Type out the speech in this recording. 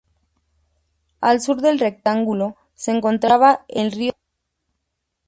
Al sur del rectángulo se encontraba el río Duero.